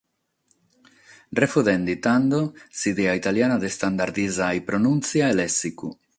Refudende, tando, s’idea italiana de standardizare pronùntzia e lèssicu.